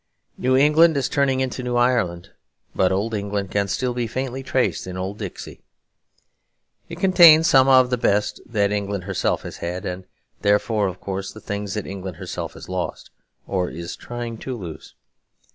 New England is turning into New Ireland. But Old England can still be faintly traced in Old Dixie. It contains some of the best things that England herself has had, and therefore (of course) the things that England herself has lost, or is trying to lose.